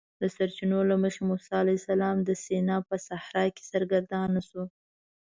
د سرچینو له مخې موسی علیه السلام د سینا په صحرا کې سرګردانه شو.